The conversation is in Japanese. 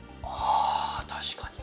あ確かに。